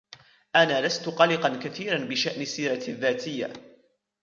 أنا لستُ قلقاً كثيراً بشأن سيرتي الذاتية.